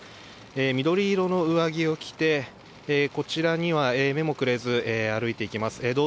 緑色の上着を着てこちらには目もくれず歩いて行きます。